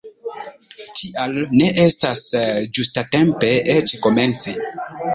Tial ne estas ĝustatempe eĉ komenci!